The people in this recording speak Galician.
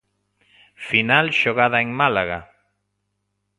Final xogada en Málaga.